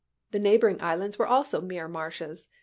The neighboring chap.xiv. islands were also mere marshes.